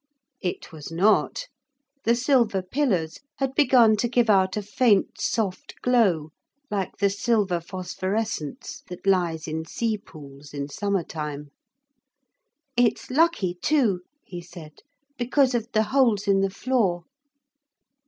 It was not. The silver pillars had begun to give out a faint soft glow like the silver phosphorescence that lies in sea pools in summer time. 'It's lucky too,' he said, 'because of the holes in the floor.'